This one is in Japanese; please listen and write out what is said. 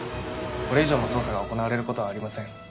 これ以上の捜査が行われることはありません。